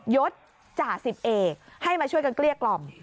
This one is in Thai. ยดจ่า๑๐เอกเติ้ลให้มาช่วยกันเกลี้ยกล่อม